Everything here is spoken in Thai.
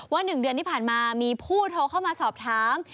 ๑เดือนที่ผ่านมามีผู้โทรเข้ามาสอบถาม